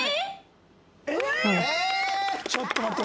ちょっと待って！